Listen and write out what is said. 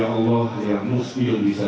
allah yang mustiul bisa